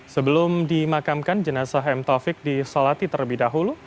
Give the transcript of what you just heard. sebelum dimakamkan jenazah m taufik disolati terlebih dahulu